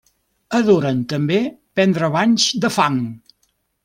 Adoren també prendre banys de fang.